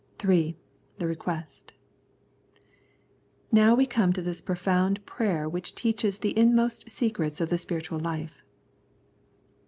3. The Request. Now we come to this profound prayer which teaches the inmost secrets of the spiritual life.